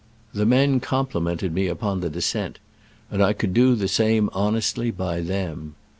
The men complimented me upon the descent, and I could do the same honesdy by them.